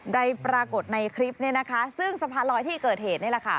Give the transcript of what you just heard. ได้ปรากฏในคลิปนี้นะคะซึ่งสะพานลอยที่เกิดเหตุนี่แหละค่ะ